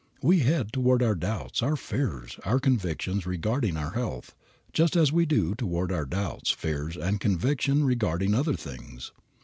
We head toward our doubts, our fears, our convictions regarding our health, just as we do toward our doubts, fears and convictions regarding other things.